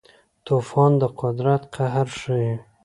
طوفان د قدرت قهر ښيي.